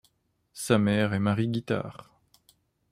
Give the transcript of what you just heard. Sa mère est Marie Guitard.